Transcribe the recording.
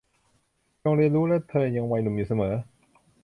จงเรียนรู้และเธอยังวัยหนุ่มอยู่เสมอ